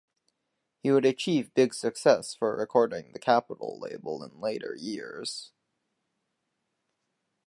He would achieve his biggest success recording for the Capitol label in later years.